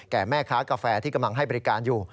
แม่ค้ากาแฟที่กำลังให้บริการอยู่